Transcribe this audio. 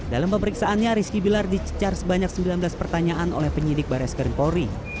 dalam pemeriksaannya rizky bilar dicecar sebanyak sembilan belas pertanyaan oleh penyidik barai skrim polri